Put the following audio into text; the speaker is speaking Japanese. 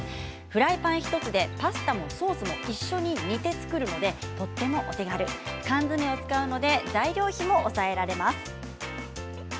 フライパン１つでパスタもソースも一緒に煮て作るのでとってもお手軽缶詰を使うので材料費も抑えられます。